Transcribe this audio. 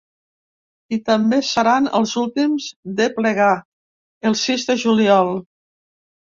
I també seran els últims de plegar: el sis de juliol.